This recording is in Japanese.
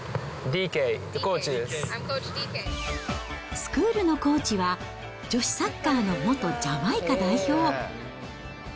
スクールのコーチは、女子サッカーの元ジャマイカ代表。